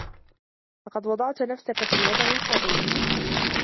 لقد وضعت نفسك في وضع خطير.